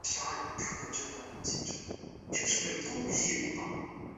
此后每年南海舰队都举办军舰和军史馆开放周活动。